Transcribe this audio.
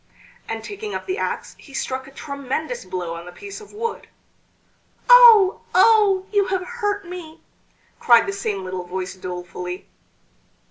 And taking up the axe he struck a tremendous blow on the piece of wood. "Oh! oh! you have hurt me!" cried the same little voice dolefully.